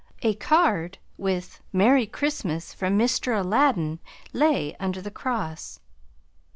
A card with "Merry Christmas from Mr. Aladdin" lay under the cross.